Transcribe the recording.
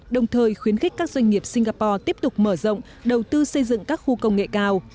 đồng thời khuyến khích các doanh nghiệp singapore tiếp tục mở rộng đầu tư xây dựng các khu công nghệ cao